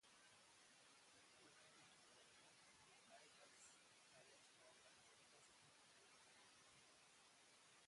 Returning to Broadway, Bankhead's career stalled at first in unmemorable plays.